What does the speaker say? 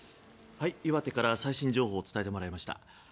岩手から最新情報を伝えてもらいました。